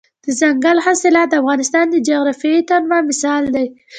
دځنګل حاصلات د افغانستان د جغرافیوي تنوع مثال دی.